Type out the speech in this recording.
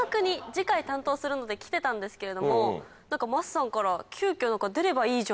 次回担当するので来てたんですけれども何か桝さんから急遽。